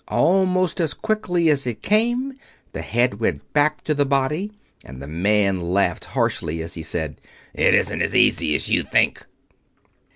Almost as quickly as it came the head went back to the body, and the man laughed harshly as he said, "It isn't as easy as you think!"